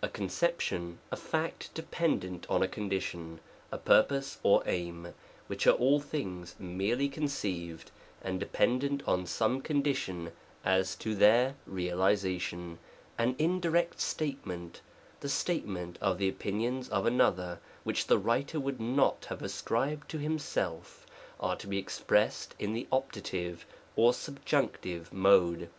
A conception, a fact dependent on a condition, a purpose or aim, which are all things merely con ceived, and dependent on some condition as to their realization, an indirect statement, the statement of the opinions of another which the writer would not have ascribed to himself, are to be expressed in the Opt. or Subjunctive Mode.